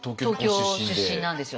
東京出身なんですよ